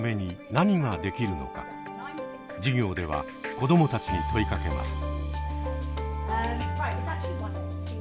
授業では子どもたちに問いかけます。